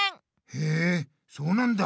へえそうなんだ。